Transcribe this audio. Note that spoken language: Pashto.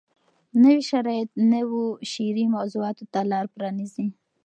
نوي شرایط نویو شعري موضوعاتو ته لار پرانیزي.